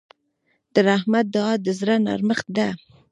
د رحمت دعا د زړه نرمښت ده.